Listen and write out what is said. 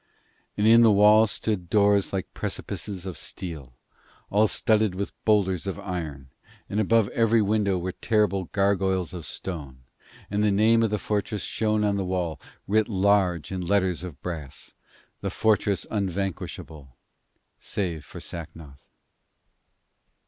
And in the wall stood doors like precipices of steel, all studded with boulders of iron, and above every window were terrible gargoyles of stone; and the name of the fortress shone on the wall, writ large in letters of brass: 'The Fortress Unvanquishable, Save For Sacnoth.'